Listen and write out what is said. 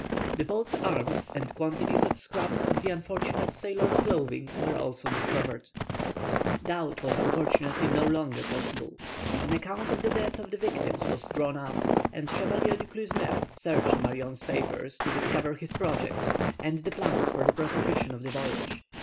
The boat's arms, and quantities of scraps of the unfortunate sailors' clothing, were also discovered. [Illustration: "A man's skull was found."] Doubt was unfortunately no longer possible. An account of the death of the victims was drawn up, and Chevalier Du Clesmeur searched Marion's papers to discover his projects, and the plans for the prosecution of the voyage.